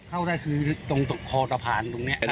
เข้าได้คือตรงคอสะพานตรงนี้